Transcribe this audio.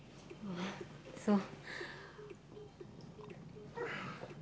そう。